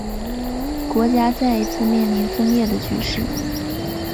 国家再一次面临分裂的局势。